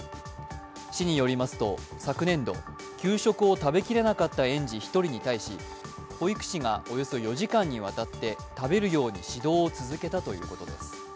市によりますと、昨年度給食を食べきれなかった園児１人に対し保育士がおよそ４時間にわたって食べるように指導を続けたということです。